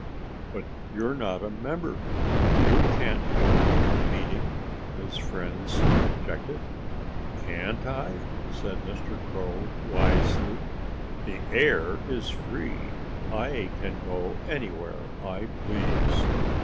"But you're not a member. You can't go to a meeting," his friends objected. "Can't I?" said Mr. Crow wisely. "The air is free. I can go anywhere I please."